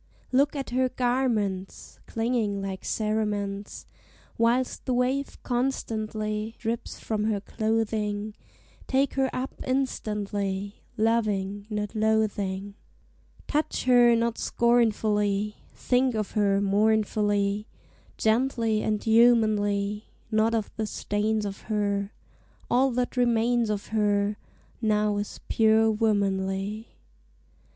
Look at her garments Clinging like cerements, Whilst the wave constantly Drips from her clothing; Take her up instantly, Loving, not loathing! Touch her not scornfully! Think of her mournfully, Gently and humanly, Not of the stains of her; All that remains of her Now is pure womanly.